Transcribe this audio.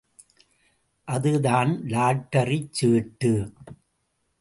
அதுதான் லாட்டரிச் சீட்டு!